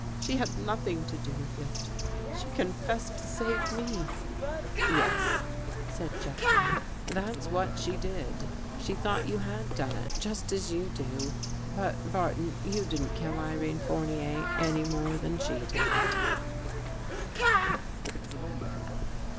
" She had nothing to do with it. She confessed to save me." " Yes," said Jeffrey, "that's what she did. She thought you had done it, just as you do. But, Bar ton, you didn't kill Irene Fournier any more than she did."